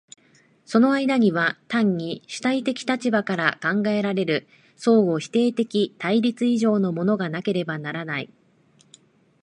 その間には単に主体的立場から考えられる相互否定的対立以上のものがなければならない。